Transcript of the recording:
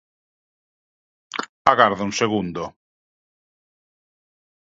Agarda un segundo.